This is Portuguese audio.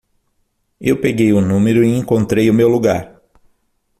Eu peguei o número e encontrei o meu lugar.